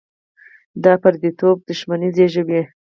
دا پرديتوب دښمني زېږوي.